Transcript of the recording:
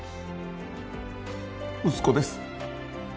息子です。